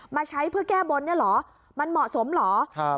มาใช้เพื่อแก้บนเนี่ยเหรอมันเหมาะสมเหรอ